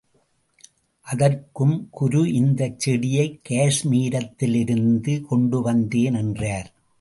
அதற்கும் குரு இந்தச் செடியைக் காஷ்மீரத்திலிருந்து கொண்டு வந்தேன் என்றார்.